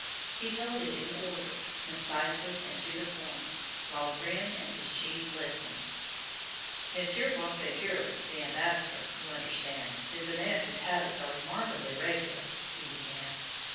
He told it in order, concisely and to the point, while Grimm and his chief listened. "Monsieur Boisségur, the ambassador, you understand, is a man whose habits are remarkably regular," he began.